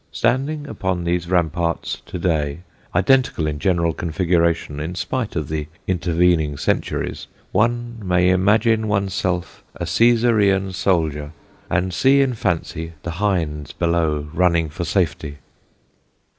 Standing upon these ramparts to day, identical in general configuration in spite of the intervening centuries, one may imagine one's self a Cæsarian soldier and see in fancy the hinds below running for safety.